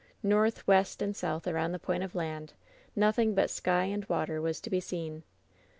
North, west and south around the point of land nothing but sky and water was to be seen.